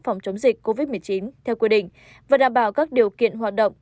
phòng chống dịch covid một mươi chín theo quy định và đảm bảo các điều kiện hoạt động